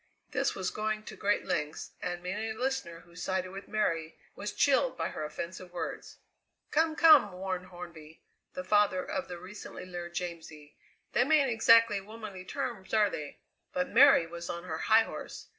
This was going to great lengths, and many a listener who sided with Mary was chilled by her offensive words. "Come! come!" warned Hornby, the father of the recently lured Jamsie, "them ain't exactly womanly terms, are they?" But Mary was on her high horse.